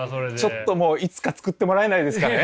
ちょっともういつか作ってもらえないですかね。